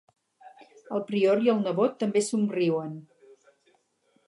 El prior i el nebot també somriuen.